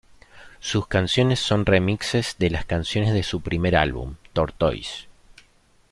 Sus canciones son remixes de las canciones de su primer álbum, Tortoise.